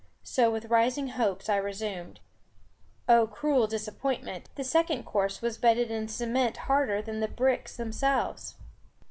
So with rising hopes, I resumed. Oh, cruel disappointment! The second course was bedded in cement harder than the bricks themselves.